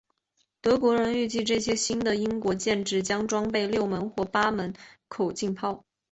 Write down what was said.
德国人预计这些新的英国舰只将装备六门或八门口径炮。